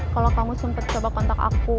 kalau kamu sempat coba kontak aku